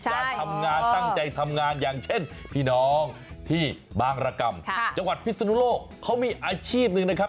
การทำงานตั้งใจทำงานอย่างเช่นพี่น้องที่บางรกรรมจังหวัดพิศนุโลกเขามีอาชีพหนึ่งนะครับ